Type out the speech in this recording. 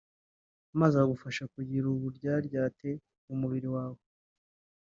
Amazi agufasha kugira uburyaryate mu mubiri wawe